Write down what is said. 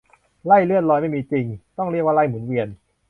ไร่เลื่อนลอยไม่มีจริง ต้องเรียกว่าไร่หมุนเวียน